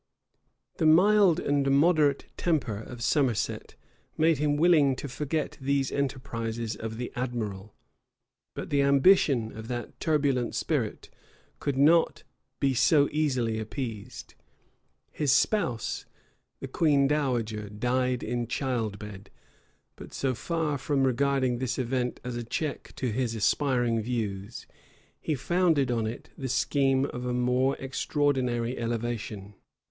The mild and moderate temper of Somerset made him willing to forget these enterprises of the admiral; but the ambition of that turbulent spirit could not be so easily appeased. His spouse, the queen dowager, died in childbed; but so far from regarding this event as a check to his aspiring views, he founded on it the scheme of a more extraordinary elevation.